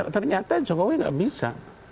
ternyata jokowi nggak bisa